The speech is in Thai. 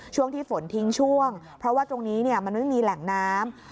ช่วงที่ฝนทิ้งช่วงเพราะว่าตรงนี้มันไม่มีแหล่งน้ำ